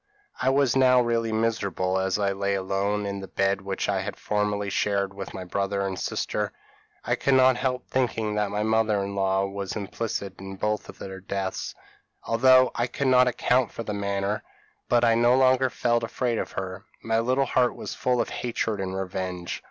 p> "I was now really miserable, as I lay alone in the bed which I had formerly shared with my brother and sister. I could not help thinking that my mother in law was implicated in both their deaths, although I could not account for the manner; but I no longer felt afraid of her; my little heart was full of hatred and revenge.